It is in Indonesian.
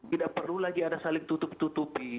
tidak perlu lagi ada saling tutup tutupi